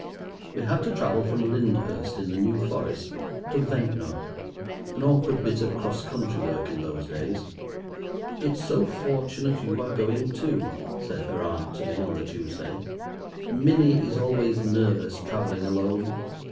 We had to travel from Lyndhurst in the New Forest to Ventnor, an awkward bit of cross country work in those days. "It's so fortunate you are going too," said her aunt to me on the Tuesday; "Minnie is always nervous travelling alone.